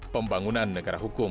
pembangunan negara hukum